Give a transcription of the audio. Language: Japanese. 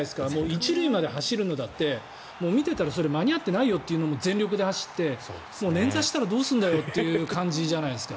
１塁まで走るのだって見ていたら間に合っていないよというのも全力で走って捻挫したらどうするんだよという感じじゃないですか。